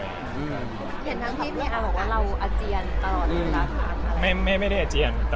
อย่างที่พี่ว่าเราอเจียนตลอดเหรอครับ